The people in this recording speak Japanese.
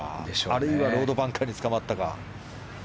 あるいはロードバンカーにつかまったのか。